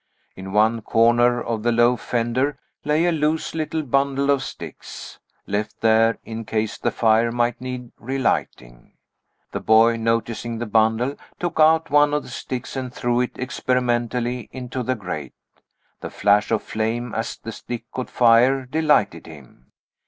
In one corner of the low fender lay a loose little bundle of sticks, left there in case the fire might need relighting. The boy, noticing the bundle, took out one of the sticks and threw it experimentally into the grate. The flash of flame, as the stick caught fire, delighted him.